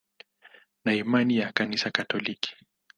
Ana imani ya Kanisa Katoliki.